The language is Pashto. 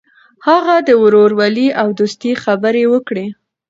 هغه د ورورولۍ او دوستۍ خبرې وکړې.